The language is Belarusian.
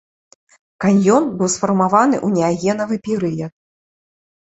Каньён быў сфармаваны ў неагенавых перыяд.